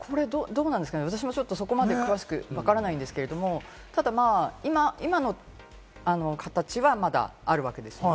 私もそこまで詳しくわからないんですけれど、ただ、今の形はまだあるわけですよね。